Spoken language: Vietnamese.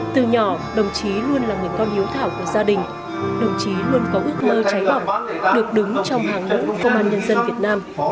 từ nhỏ đồng chí luôn là người con hiếu thảo của gia đình đồng chí luôn có ước mơ cháy bỏng được đứng trong hàng đội công an nhân dân việt nam